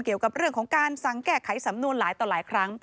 เกี่ยวกับเรื่องของการสั่งแก้ไขสำนวนหลายต่อหลายครั้ง